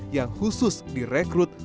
yang khusus direkrut